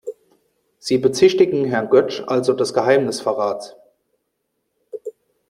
Sie bezichtigen Herrn Götsch also des Geheimnisverrats?